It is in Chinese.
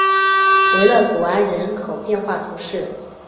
维勒古安人口变化图示